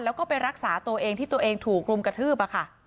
แล้วก็ไปรักษาตัวเองที่ตัวเองถูกรุมกระทืบ